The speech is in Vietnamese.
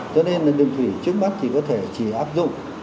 cho nên là đường thủy trước mắt thì có thể chỉ áp dụng